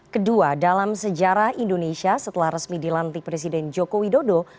kedua dalam sejarah indonesia setelah resmi dilantik presiden joko widodo